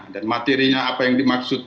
dan materinya apa yang dimaksud